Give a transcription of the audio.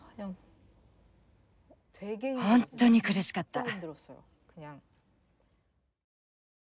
本当に苦しかった。